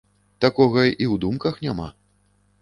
Такога і ў думках няма.